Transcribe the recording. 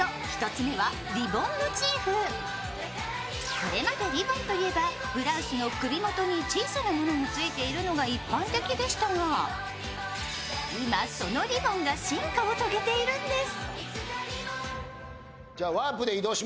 これまでリボンと言えば、ブラウスの首元に小さなものがついているのが一般的でしたが今、そのリボンが進化を遂げているんです。